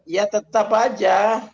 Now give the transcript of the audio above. ya tetap saja